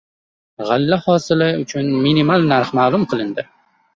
G‘alla hosili uchun minimal narx ma’lum qilindi